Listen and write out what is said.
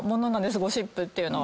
ゴシップっていうのは。